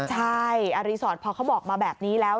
ใช่อารีสอร์ทพอเขาบอกมาแบบนี้แล้ว